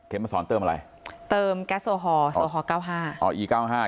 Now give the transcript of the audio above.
เข้มมาสอนเติมอะไรเติมแก๊สโซฮอร์๙๕